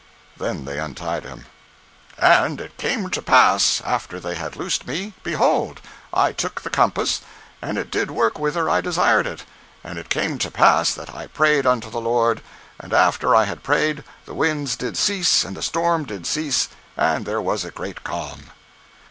Then they untied him. 131.jpg (77K) And it came to pass after they had loosed me, behold, I took the compass, and it did work whither I desired it. And it came to pass that I prayed unto the Lord; and after I had prayed, the winds did cease, and the storm did cease, and there was a great calm.